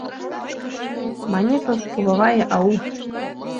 — Манефа кувавай, ау!